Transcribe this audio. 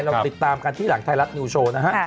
เราติดตามกันที่หลังไทยรัฐนิวโชว์นะฮะ